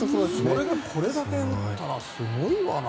これだけ打ったらすごいわな。